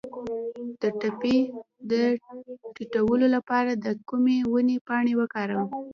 د تبې د ټیټولو لپاره د کومې ونې پاڼې وکاروم؟